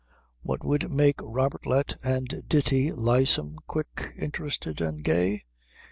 What would make Robertlet and Ditti lissom, quick, interested, and gay?